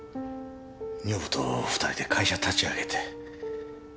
女房と２人で会社立ち上げて。